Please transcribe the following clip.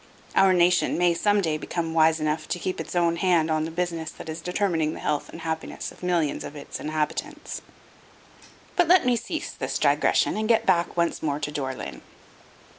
Our nation may some day become wise enough to keep its own hand on the business that is determining the health and happiness of millions of its inhabitants. But let me cease this digression and get back once more to Dore lyn.